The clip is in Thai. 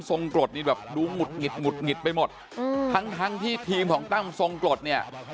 ทรงกฤษดูหงุดหงิดไปหมดทั้งที่ผีของต้ำทรงศพเนี่ย